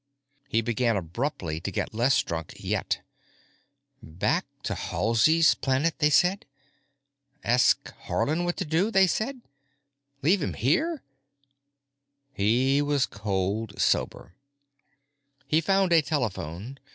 He began abruptly to get less drunk yet. Back to Halsey's Planet, they said? Ask Haarland what to do, they said? Leave him here——? He was cold sober. He found a telephone.